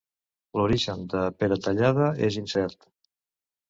L'origen de Peratallada és incert.